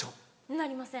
鳴りません。